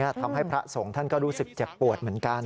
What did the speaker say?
ทำให้พระสงฆ์ท่านก็รู้สึกเจ็บปวดเหมือนกัน